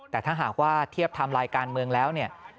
แต่ถ้าหากว่าเทียบไทม์ไลน์การเมืองแล้วเนี่ย